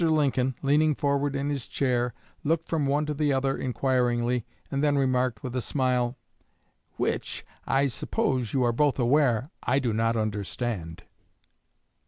Lincoln, leaning forward in his chair, looked from one to the other inquiringly, and then remarked, with a smile, "Which, I suppose you are both aware, I do not understand."